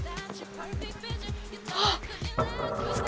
あっ！？